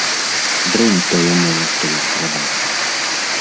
Дрэнь тое мыла, што ён прадаў.